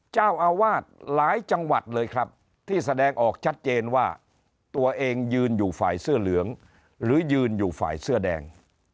เจ้าอาวาสหลายจังหวัดเลยครับที่แสดงออกชัดเจนว่าตัวเองยืนอยู่ฝ่ายเสื้อเหลืองหรือยืนอยู่ฝ่ายเสื้อแดง